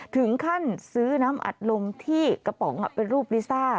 ถึงขั้นซื้อน้ำอัดลมที่กระป๋องเป็นรูปลิซ่า